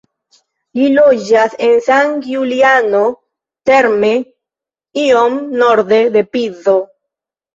Li loĝas en San Giuliano Terme iom norde de Pizo.